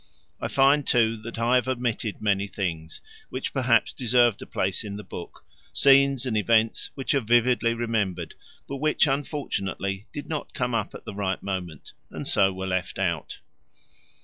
I find, too, that I have omitted many things which perhaps deserved a place in the book scenes and events which are vividly remembered, but which unfortunately did not come up at the right moment, and so were left out.